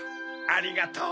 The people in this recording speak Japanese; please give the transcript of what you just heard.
ありがとう！